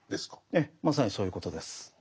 ええまさにそういうことです。